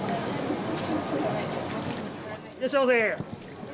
いらっしゃいませ。